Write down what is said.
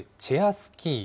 スキー。